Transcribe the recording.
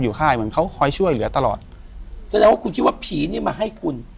ค่ายเหมือนเขาคอยช่วยเหลือตลอดแสดงว่าคุณคิดว่าผีนี่มาให้คุณ